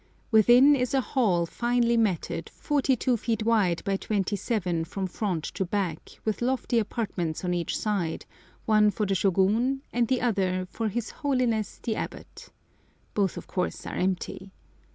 Within is a hall finely matted, 42 feet wide by 27 from front to back, with lofty apartments on each side, one for the Shôgun and the other "for his Holiness the Abbot." Both, of course, are empty.